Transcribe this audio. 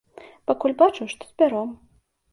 Пакуль бачу, што збяром.